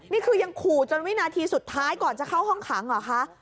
นี่คือยังขู่จนวินาทีสุดท้ายก่อนจะเข้าห้องขังเหรอคะ